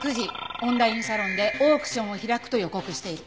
オンラインサロンでオークションを開くと予告している。